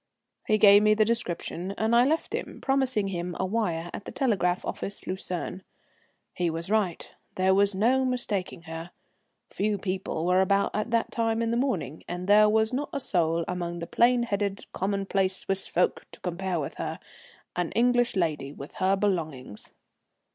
He gave me the description, and I left him, promising him a wire at the telegraph office, Lucerne. He was right, there was no mistaking her. Few people were about at that time in the morning, and there was not a soul among the plain headed, commonplace Swiss folk to compare with her, an English lady with her belongings.